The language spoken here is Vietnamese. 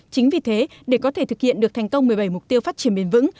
chính vì thế để có thể thực hiện được thành công một mươi bảy mục tiêu phát triển bền vững